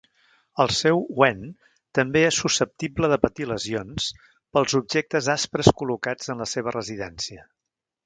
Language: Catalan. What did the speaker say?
El seu wen també és susceptible de patir lesions pels objectes aspres col·locats en la seva residència.